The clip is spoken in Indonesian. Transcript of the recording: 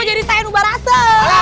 jadi saya nubah rasa